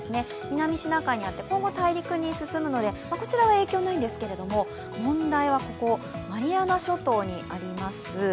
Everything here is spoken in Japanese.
南シナ海にあって、今後、大陸に進むのでこちらは影響ないんですが、問題はここ、マリアナ諸島にあります